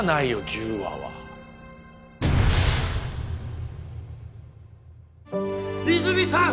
１０話は泉さん！